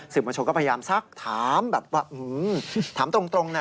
บัญชนก็พยายามซักถามแบบว่าถามตรงนะ